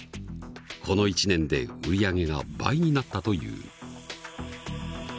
この１年で売り上げが倍になったという。